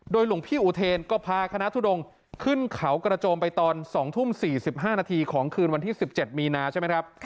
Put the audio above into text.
หลวงพี่อุเทนก็พาคณะทุดงขึ้นเขากระโจมไปตอน๒ทุ่ม๔๕นาทีของคืนวันที่๑๗มีนาใช่ไหมครับ